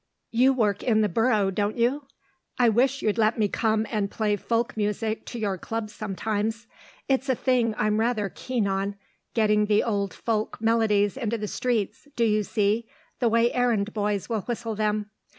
"You work in the Borough, don't you? I wish you'd let me come and play folk music to your clubs sometimes. It's a thing I'm rather keen on getting the old folk melodies into the streets, do you see, the way errand boys will whistle them.